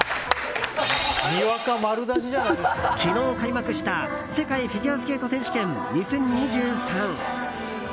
昨日開幕した世界フィギュアスケート選手権２０２３。